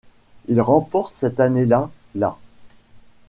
Il remporte cette année-là la '.